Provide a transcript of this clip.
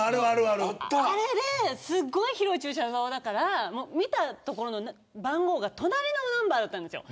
すごく広い駐車場だったから見た番号が隣のナンバーだったんですよ。